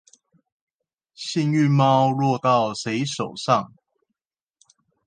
幸運貓落到誰手上